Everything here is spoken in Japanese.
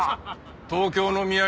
東京の土産